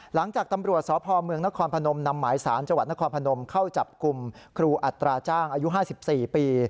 หลังจากตำรวจสพเมืองนครพนมนำหมายสารจังหวัดนครพนมเข้าจับกลุ่มครูอัตราจ้างอายุ๕๔ปี